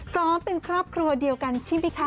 สองเป็นครอบครัวเดียวกันชิมมิคะ